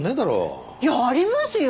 いやありますよ！